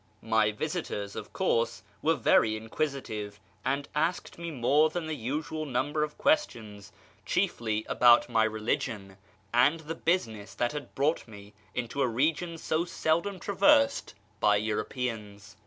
My visitors, of course, were very inquisitive, and asked me more than the usual number of questions, chiefly about my religion and the business that had brought me into a region so seldom traversed by Europeans.